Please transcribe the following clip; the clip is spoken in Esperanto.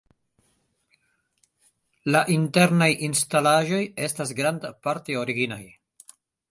La internaj instalaĵoj estas grandparte originaj.